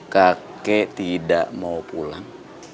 kakek tidak mau pulang